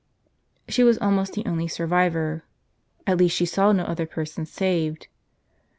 She was almost the only survivor ; at least she saw no other person saved.